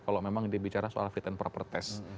kalau memang dia bicara soal fit and proper test